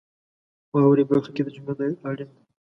واورئ برخه کې د جملو تایید اړین دی.